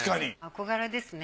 憧れですね。